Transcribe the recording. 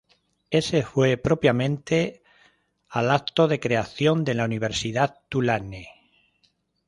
Ése fue propiamente al acto de creación de la Universidad Tulane.